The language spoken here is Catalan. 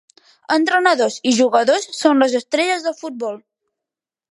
Entrenadors i jugadors són les estrelles del futbol.